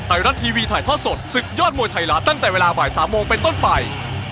ไทยรัฐทีวีถ่ายทอดสดศึกยอดมวยไทยรัฐตั้งแต่เวลาบ่าย๓โมงเป็นต้นไป